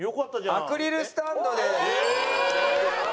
アクリルスタンドです。